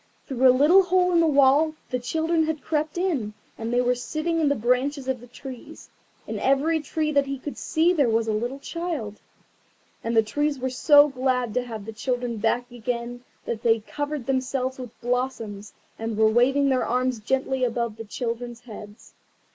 Through a little hole in the wall the children had crept in, and they were sitting in the branches of the trees. In every tree that he could see there was a little child. And the trees were so glad to have the children back again that they had covered themselves with blossoms, and were waving their arms gently above the children's heads.